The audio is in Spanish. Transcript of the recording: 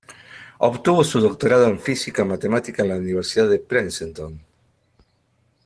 Obtuvo su doctorado en Física matemática en la Universidad de Princeton.